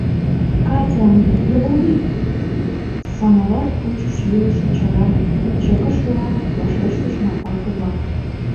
— Катя ынде йывылдик! — самовар пучыш йӱлышӧ чырам чыкышыла, вашештыш Марпа кува.